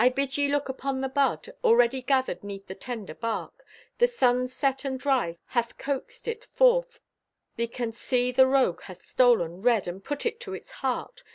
I bid ye look upon the bud Already gathered 'neath the tender bark. The sun's set and rise hath coaxed it forth. Thee canst see the rogue hath stolen red And put it to its heart.